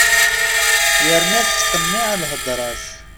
Yerna tettqenniɛ lhedra-s.